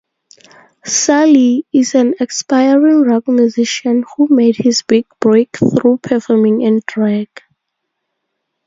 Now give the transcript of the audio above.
"Sally" is an aspiring rock musician who made his big breakthrough performing in drag.